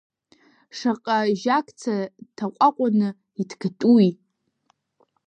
Шаҟа жьакца ҭаҟәаҟәаны иҭгатәуи!